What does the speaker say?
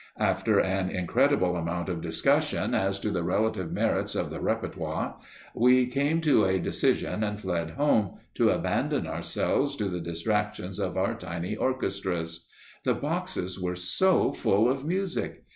After an incredible amount of discussion as to the relative merits of the repertoires, we came to a decision and fled home, to abandon ourselves to the distractions of our tiny orchestras. The boxes were so full of music!